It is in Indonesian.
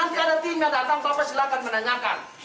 nanti ada tim yang datang bapak silahkan menanyakan